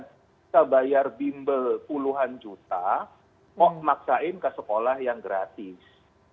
kita bayar bimbel puluhan juta kok maksain ke sekolah yang gratis